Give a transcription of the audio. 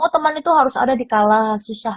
oh teman itu harus ada di kala susah